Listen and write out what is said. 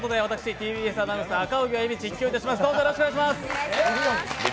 ＴＢＳアナウンサー・赤荻歩、実況します。